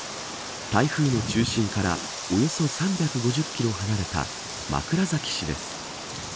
台風の中心からおよそ３５０キロ離れた枕崎市です。